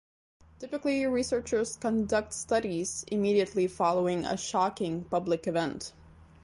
Typically, researchers conduct studies immediately following a shocking, public event.